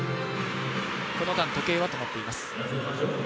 この間、時計は止まっています。